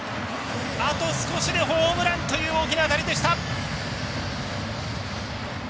あと少しでホームランという大きな当たりでした。